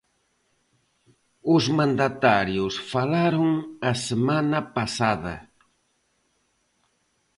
Os mandatarios falaron a semana pasada.